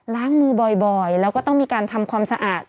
ล้างมือบ่อยแล้วก็ต้องมีการทำความสะอาด